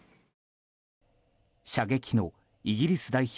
射撃のイギリス代表